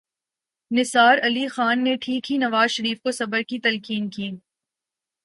نثار علی خان نے ٹھیک ہی نواز شریف کو صبر کی تلقین کی۔